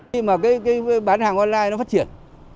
khi mà cái bán hàng online nó phát triển